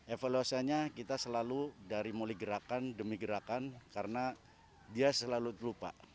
evaluasinya kita selalu dari mulai gerakan demi gerakan karena dia selalu terlupa